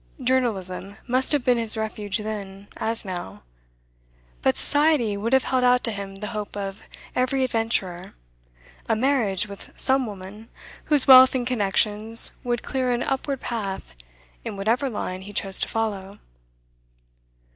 Journalism must have been his refuge then, as now; but Society would have held out to him the hope of every adventurer a marriage with some woman whose wealth and connections would clear an upward path in whatever line he chose to follow.